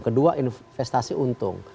kedua investasi untung